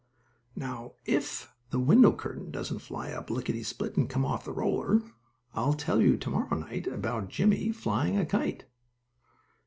Now, if the window curtain doesn't fly up lickety split and come off the roller, I'll tell you to morrow night about Jimmie flying a kite.